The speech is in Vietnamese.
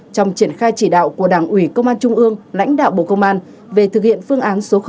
trong triển khai chỉ đạo của đảng ủy công an trung ương lãnh đạo bộ công an về thực hiện phương án số năm